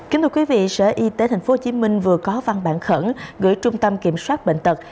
kính thưa quý vị sở y tế tp hcm vừa có văn bản khẩn gửi trung tâm kiểm soát bệnh tật